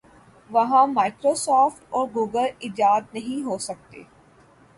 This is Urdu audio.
وہاں مائیکرو سافٹ اور گوگل ایجاد نہیں ہو سکتے۔